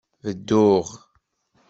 Bedduɣ.